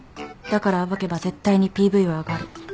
だから暴けば絶対にＰＶは上がる。